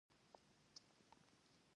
دا جوړښت باید ټول منلی وي.